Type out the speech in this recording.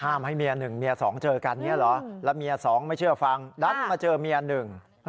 ให้เมียหนึ่งเมียสองเจอกันเนี่ยเหรอแล้วเมียสองไม่เชื่อฟังดันมาเจอเมียหนึ่ง